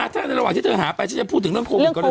ถ้าในระหว่างที่เธอหาไปฉันจะพูดถึงเรื่องโควิดกรณี